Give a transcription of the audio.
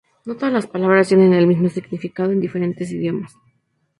No todas las palabras tienen el mismo significado en diferentes idiomas.